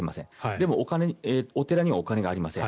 でもお寺にはお金がありません。